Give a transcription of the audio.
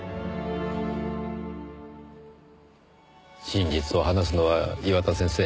真実を話すのは岩田先生